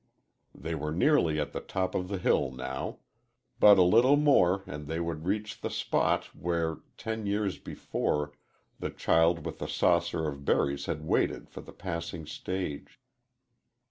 They were nearly at the top of the hill now. But a little more and they would reach the spot where ten years before the child with the saucer of berries had waited for the passing stage.